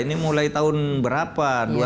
ini mulai tahun berapa